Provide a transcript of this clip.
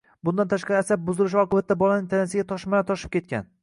Bundan tashqari asab buzilishi oqibatida bolaning tanasiga toshmalar toshib ketgan.